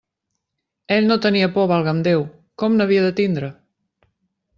Ell no tenia por, valga'm Déu!, com n'havia de tindre?